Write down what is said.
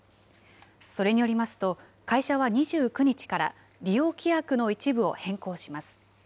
それによりますと、会社は２９日から利用規約の一部を変更します。